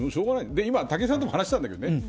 今武井さんとも話したんだけど。